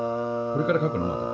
これから描くの？